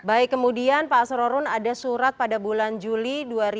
baik kemudian pak asrorun ada surat pada bulan juli dua ribu dua puluh